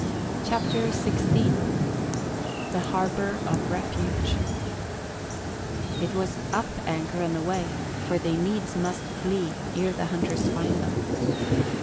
CHAPTER XVI THE HARBOUR OF REFUGE It was up anchor and away, for they needs must flee ere the hunters find them.